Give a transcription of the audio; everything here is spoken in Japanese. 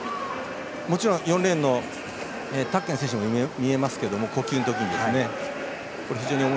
もちろん４レーンのタッケン選手も見えますけど、呼吸のときに。